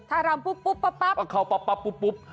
ถ้ารำปุ๊บปุ๊บปั๊บเข้าปั๊บปุ๊บ